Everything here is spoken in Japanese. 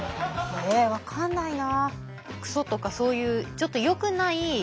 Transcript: え分かんないな。